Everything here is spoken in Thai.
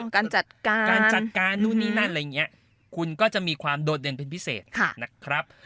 การจัดการการจัดการนู่นนี่นั่นอะไรอย่างนี้คุณก็จะมีความโดดเด่นเป็นพิเศษนะครับ